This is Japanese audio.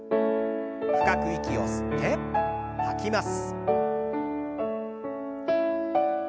深く息を吸って吐きます。